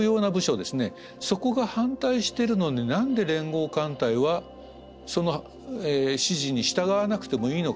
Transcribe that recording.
そこが反対してるのに何で連合艦隊はその指示に従わなくてもいいのかと。